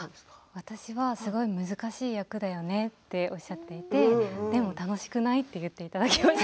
私は、すごい難しい役だよねってお声がけいただいてでも楽しくない？っておっしゃっていただきました。